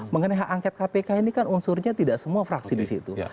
mengenai hak angket kpk ini kan unsurnya tidak semua fraksi di situ